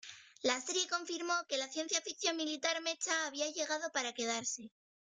La serie confirmo que la ciencia ficción militar mecha había llegado para quedarse.